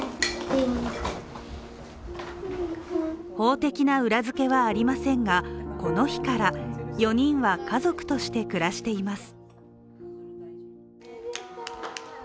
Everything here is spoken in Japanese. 法的な裏付けはありませんがこの日から４人は家族として暮らしています。